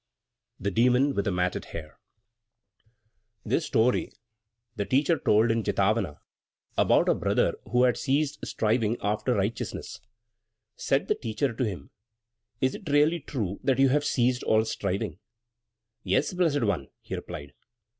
The Demon with the Matted Hair _This story the Teacher told in Jetavana about a Brother who had ceased striving after righteousness. Said the Teacher to him: "Is it really true that you have ceased all striving?" "Yes, Blessed One," he replied.